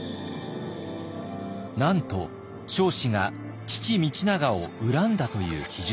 なんと彰子が父道長を恨んだという記述。